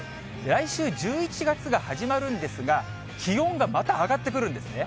来週１１月が始まるんですが、気温がまた上がってくるんですね。